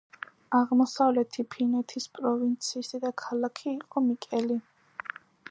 აღმოსავლეთი ფინეთის პროვინციის დედაქალაქი იყო მიკელი.